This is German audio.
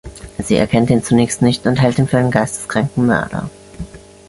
Sie erkennt ihn zunächst nicht und hält ihn für einen geisteskranken Mörder.